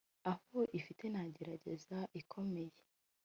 aho ifite na gereza ikomeye